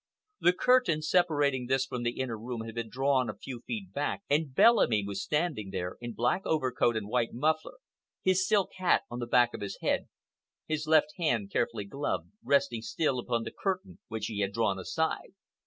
The curtain separating this from the inner room had been drawn a few feet back, and Bellamy was standing there, in black overcoat and white muffler, his silk hat on the back of his head, his left hand, carefully gloved, resting still upon the curtain which he had drawn aside.